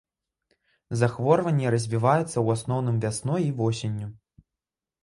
Захворванне развіваецца ў асноўным вясной і восенню.